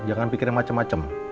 jangan pikir yang macem macem